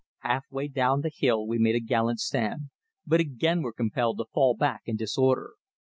Half way down the hill we made a gallant stand, but again were compelled to fall back in disorder.